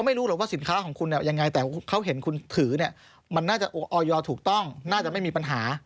มันน่าจะออยอร์ถูกต้องน่าจะไม่มีปัญหา